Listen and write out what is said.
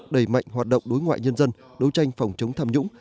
đẩy mạnh hoạt động đối ngoại nhân dân đấu tranh phòng chống tham nhũng